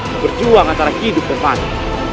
dan berjuang antara hidup dan mati